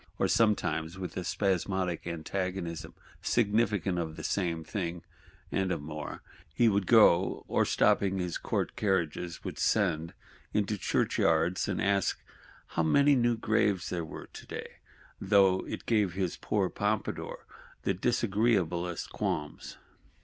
Or sometimes, with a spasmodic antagonism, significant of the same thing, and of more, he would go; or stopping his court carriages, would send into churchyards, and ask "how many new graves there were today," though it gave his poor Pompadour the disagreeablest qualms.